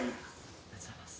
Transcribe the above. ありがとうございます。